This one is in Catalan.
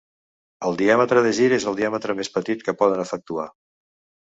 El diàmetre de gir és el diàmetre més petit que poden efectuar.